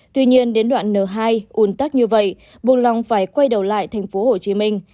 tuy nhiên đến đoạn n hai ùn tắc như vậy buôn lòng phải quay đầu lại thành phố hồ chí minh